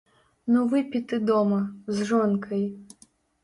Ну выпі ты дома, з жонкай!